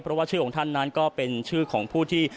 เพราะว่าชื่อของท่านนั้นก็เป็นชื่อของผู้ที่